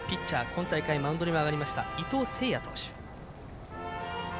今大会マウンドにも上がりました伊藤星八投手。